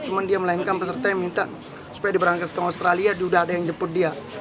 cuma dia melainkan peserta yang minta supaya diberangkatkan ke australia sudah ada yang jemput dia